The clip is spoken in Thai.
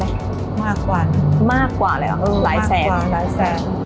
มากกว่ามากกว่าอะไรเหรอหลายแสน